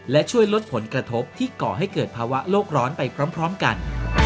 และช่วยลดผลกระทบที่ก่อให้เกิดภาวะโลกร้อนไปพร้อมกัน